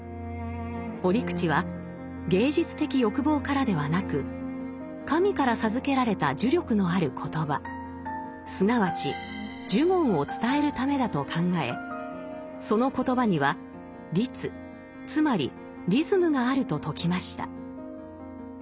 折口は芸術的欲望からではなく神から授けられた呪力のある言葉すなわち「呪言」を伝えるためだと考えその言葉には「律」つまりリズムがあると説きました。